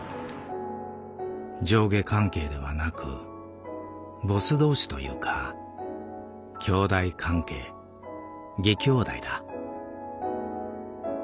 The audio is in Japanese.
「上下関係ではなくボス同士というか兄弟関係義兄弟だ」。